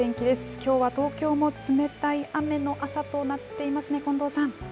きょうは東京も冷たい雨の朝となっていますね、近藤さん。